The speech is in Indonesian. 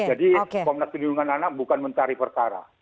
jadi komnas penyelidikan anak bukan mencari perkara